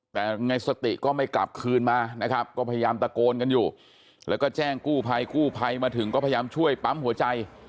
แต่ในสติก็ไม่กลับคืนมานะครับก็พยายามตะโกนกันอยู่แล้วก็แจ้งกู้ภัยกู้ภัยมาถึงก็พยายามช่วยปั๊มหัวใจ